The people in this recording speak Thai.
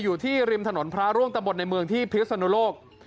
อยู่ที่ริมถนนพระร่วงตะบดในเมืองที่พิศนุโลก